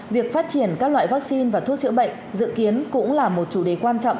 việc phát triển các loại vaccine và thuốc chữa bệnh dự kiến cũng là một chủ đề quan trọng